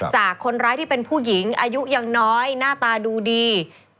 จากคนร้ายที่เป็นผู้หญิงอายุยังน้อยหน้าตาดูดี